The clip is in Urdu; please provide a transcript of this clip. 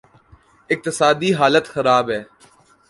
اقتصادی حالت خراب ہے۔